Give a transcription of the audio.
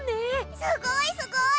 すごいすごい！